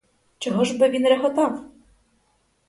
Чого ж би він реготав?